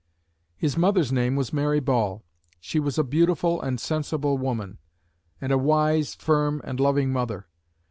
His mother's name was Mary Ball. She was a beautiful and sensible woman, and a wise, firm and loving mother.